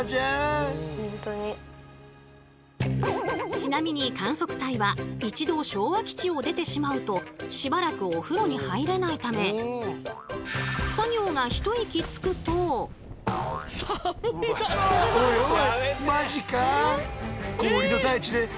ちなみに観測隊は一度昭和基地を出てしまうとしばらくお風呂に入れないため作業がこの日のうわ！